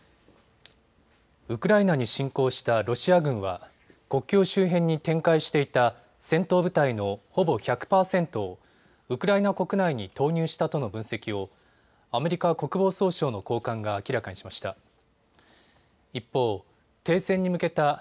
ウクライナに侵攻したロシア軍は国境周辺に展開していた戦闘部隊のほぼ１００％をウクライナ国内に投入したとの分析をアメリカ国防総省の高官が明らかにしました。